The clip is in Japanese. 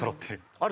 あれ？